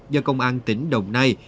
do công an tỉnh đồng nai